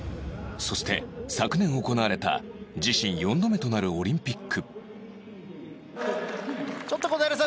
そして昨年行われた自身４度目となるオリンピック